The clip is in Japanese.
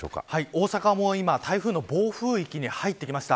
大阪も今、台風の暴風域に入ってきました。